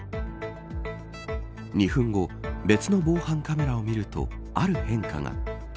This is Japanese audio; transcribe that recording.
２分後別の防犯カメラを見るとある変化が。